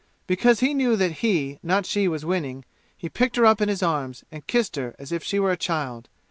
Because he knew that he, not she, was winning, he picked her up in his arms and kissed her as if she were a child.